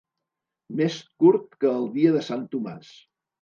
Més curt que el dia de Sant Tomàs.